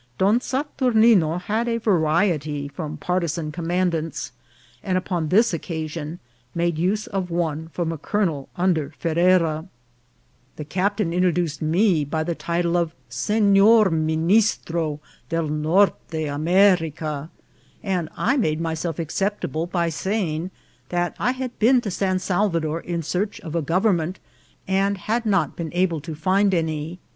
Don Saturnine had a variety from partisan commandants, and upon this oc casion made use of one from a colonel under Ferrera. 78 INCIDENTS OF TRAVEL. The captain introduced me by the title of Senor Minis tro del Norte America, and 1 made myself acceptable by saying that I had been to San Salvador in search of a government, and had not been able to find any.